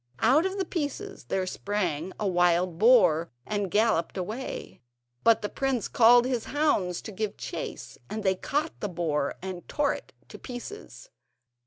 Out of the pieces there sprang a wild boar and galloped away, but the prince called his hounds to give chase, and they caught the boar and tore it to bits.